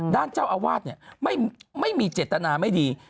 ด้านเจ้าอาวาสไม่มีเจตนาไม่ดี